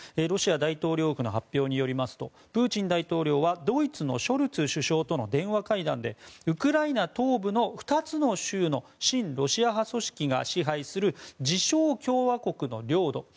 ロシア大統領府の発表によりますとプーチン大統領はドイツのショルツ首相との電話会談でウクライナ東部の２つの州の親ロシア派組織が支配する、自称共和国の領土